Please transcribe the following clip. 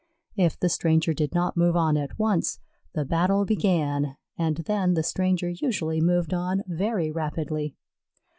If the stranger did not move on at once, the battle began, and then the stranger usually moved on very rapidly.